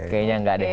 kayaknya gak deh